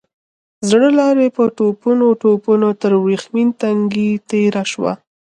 زړه لارۍ په ټوپونو ټوپونو تر ورېښمين تنګي تېره شوه.